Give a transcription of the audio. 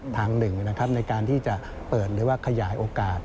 ทางหนึ่งนะครับในการที่จะเปิดหรือว่าขยายโอกาส